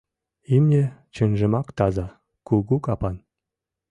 Имне чынжымак таза, кугу капан.